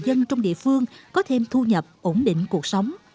dân trong địa phương có thêm thu nhập ổn định cuộc sống